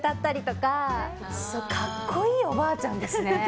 かっこいいおばあちゃんですね。